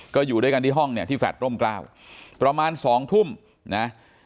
ก็อยู่ด้วยกันที่ห้องเนี่ยที่แฟลตร่มกล้าประมาณสองทุ่มนะ